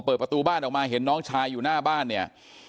เปิดประตูบ้านออกมาเห็นน้องชายอยู่หน้าบ้านเนี่ย